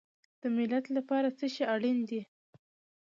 د ملت لپاره څه شی اړین دی؟